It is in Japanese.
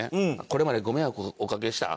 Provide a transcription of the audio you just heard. これまでご迷惑おかけした。